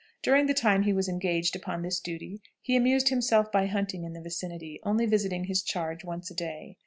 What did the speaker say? During the time he was engaged upon this duty he amused himself by hunting in the vicinity, only visiting his charge once a day.